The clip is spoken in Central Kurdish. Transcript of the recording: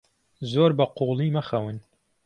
زۆر بەقووڵی مەخەون.